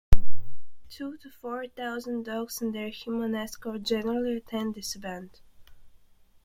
Two to four thousand dogs and their human escorts generally attend this event.